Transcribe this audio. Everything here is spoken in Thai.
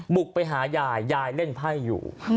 บุกไปหายายยายเล่นไพ่อยู่